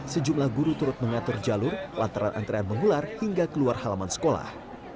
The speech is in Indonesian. sejumlah guru turut mengatur jalur lantaran antrean mengular hingga keluar halaman sekolah